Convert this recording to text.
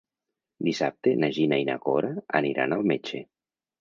Dissabte na Gina i na Cora aniran al metge.